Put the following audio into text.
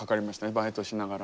バイトしながら。